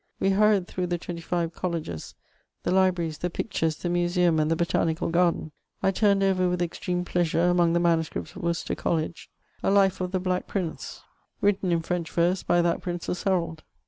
We hurried tiuough the twenty fiye colleges, the libraries, the pictures, the museum, and tiie Botanical Garden. I turned oyer with extreme jdeasure^ among tiie manuscryts of Worcester College, a life of tiie Black Prince, written in French verse by that Prince's herald.